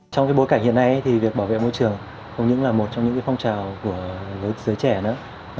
trong bối cảnh hiện nay thì việc bảo vệ môi trường không những là một trong những phong trào của giới trẻ nữa